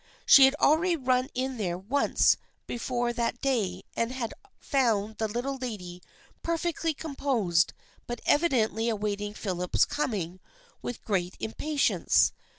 She had already run in there once before that day and had found the Little Lady perfectly composed but evi dently awaiting Philip's coming with great im patience.